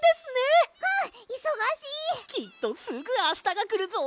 きっとすぐあしたがくるぞ！